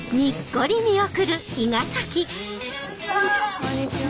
こんにちは！